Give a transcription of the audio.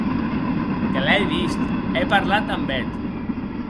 Que l’è vist, è parlat damb eth.